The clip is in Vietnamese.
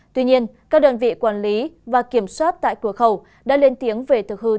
tuy nhiên các đoàn vị quản lý và kiểm soát tại cửa khẩu đã lên tiền đồng để tham gia thông quan